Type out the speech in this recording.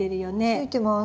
ついてます。